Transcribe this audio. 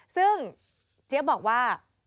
ซึ่งเจี๊ยบบอกว่า